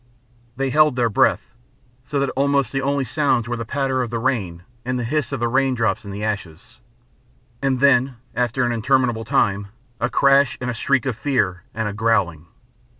They held their breath, so that almost the only sounds were the patter of the rain and the hiss of the raindrops in the ashes. And then, after an interminable time, a crash, and a shriek of fear, and a growling.